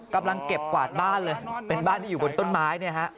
กำลังเก็บกวาดบ้านเลยเป็นบ้านที่อยู่บนต้นไม้เนี่ยฮะ